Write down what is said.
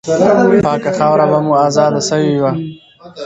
پاکه خاوره به مو آزاده سوې وه.